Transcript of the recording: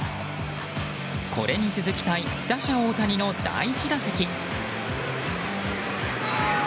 これに続きたい打者・大谷の第１打席。